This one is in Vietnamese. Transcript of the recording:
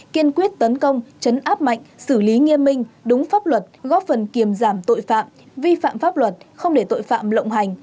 kiên quyết tấn công chấn áp mạnh xử lý nghiêm minh đúng pháp luật góp phần kiềm giảm tội phạm vi phạm pháp luật không để tội phạm lộng hành